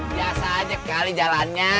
biasa aja kali jalannya